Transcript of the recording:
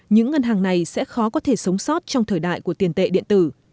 những ngân hàng này sẽ khó có thể sống sót trong thời đại của tiền tệ điện tử